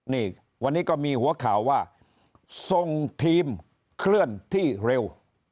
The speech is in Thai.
นี่วันนี้ก็มีหัวข่าวว่าส่งทีมเคลื่อนที่เร็ว